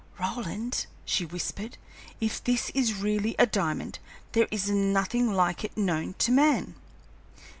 "Roland," she whispered, "if this is really a diamond, there is nothing like it known to man!"